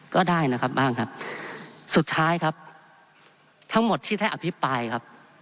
ก็ได้นะครับบ้างครับสุดท้ายครับทั้งหมดที่ได้อภิปรายครับ